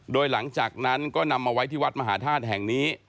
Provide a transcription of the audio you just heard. โดยหลังจากนั้นก็นำมาไว้ที่วัดมหาธาตุแห่งนี้